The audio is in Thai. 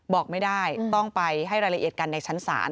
บอกไม่ได้ต้องไปให้รายละเอียดกันในชั้นศาล